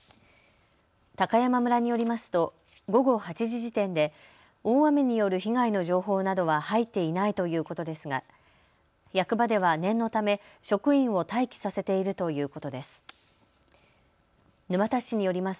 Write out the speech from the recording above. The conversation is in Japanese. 高山村によりますと午後８時時点で大雨による被害の情報などは入っていないということですが、役場では念のため職員を待機させているということです。